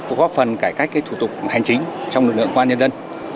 có phần cải cách cái thủ tục hành chính trong lực lượng quan nhân dân